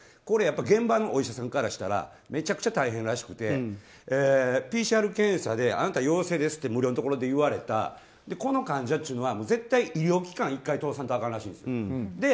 これ、やっぱり現場のお医者さんからしたらめちゃくちゃ大変らしくてＰＣＲ検査であなた陽性ですって無料のとこで言われてこの患者というのは絶対、医療機関を１回絶対通さないとあかんらしいんですよ。